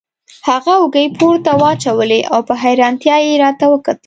هغه اوږې پورته واچولې او په حیرانتیا یې راته وکتل.